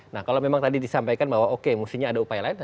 nah kalau memang tadi disampaikan bahwa oke mestinya ada upaya lain